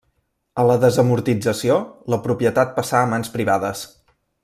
A la desamortització, la propietat passà a mans privades.